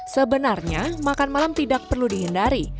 sebenarnya makan malam tidak perlu dihindari